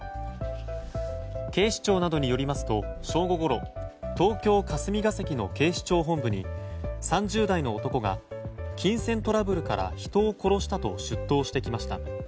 警視庁などによりますと正午ごろ東京・霞が関の警視庁本部に３０代の男が金銭トラブルから人を殺したと出頭してきました。